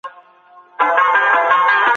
هوښيار تل لږ خبري کوي